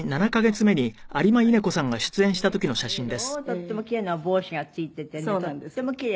とっても奇麗なお帽子がついていてねとっても奇麗。